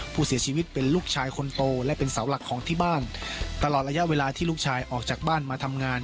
ผู้เสียชีวิตเป็นลูกชายคนโตและเป็นเสาหลักของที่บ้านตลอดระยะเวลาที่ลูกชายออกจากบ้านมาทำงาน